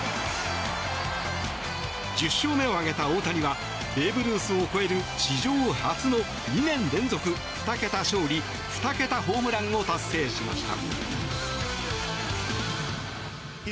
１０勝目を挙げた大谷はベーブ・ルースを超える史上初の２年連続２桁勝利２桁ホームランを達成しました。